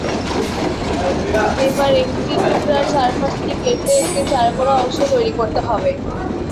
এবার একটি টুকরার চারপাশ থেকে কেটে একটি চারকোনা অংশ তৈরি করতে হবে।